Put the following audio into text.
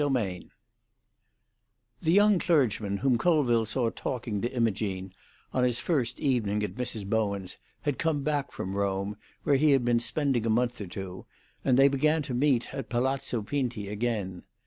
XVIII The young clergyman whom Colville saw talking to Imogene on his first evening at Mrs. Bowen's had come back from Rome, where he had been spending a month or two, and they began to meet at Palazzo Pinti again.